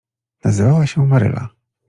Nazywała się Maryla.